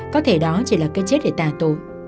có thể đó chỉ là cái chết để tà tổ